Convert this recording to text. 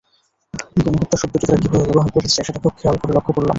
গণহত্যা শব্দটি তারা কীভাবে ব্যবহার করেছে, সেটা খুব খেয়াল করে লক্ষ করলাম।